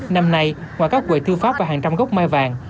năm nay ngoài các quầy thư pháp và hàng trăm gốc mai vàng